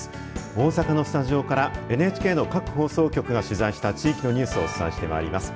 大阪のスタジオからＮＨＫの各放送局が取材した地域のニュースをお伝えしてまいります。